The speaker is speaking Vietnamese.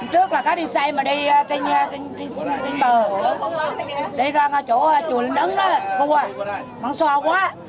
tinh bờ đi ra chỗ chùa linh ấn đó vừa vẫn sâu quá